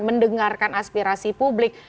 mendengarkan aspirasi publik